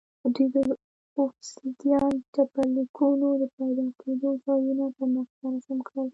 دوی د اوبسیدیان ډبرلیکونو د پیدا کېدو ځایونه پر نقشه رسم کړل